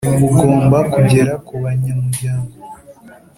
bugomba kugera ku banyamuryango